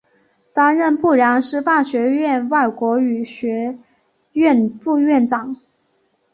担任阜阳师范学院外国语学院副院长。